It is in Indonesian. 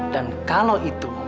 dan kalau itu